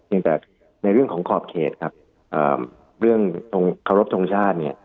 เนื่องจากในเรื่องของขอบเขตครับเรื่องขอบรับทรงชาติ